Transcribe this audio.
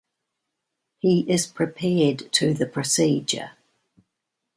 He is prepared to the procedure.